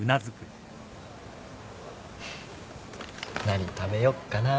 何食べよっかな。